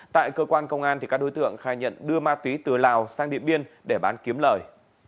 tại cơ quan công an các đối tượng khai nhận đưa ma túy từ lào sang điện biên để bán kiếm lời